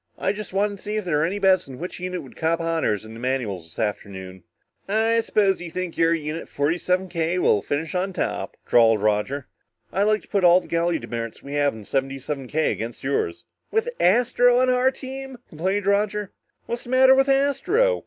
"I just wanted to see if there were any bets on which unit would cop honors in the manuals this afternoon." "I suppose you think your Unit 77 K will finish on top?" drawled Roger. "I'd like to bet all the galley demerits we have in 77 K against yours." "With Astro on our team?" complained Roger. "What's the matter with Astro?"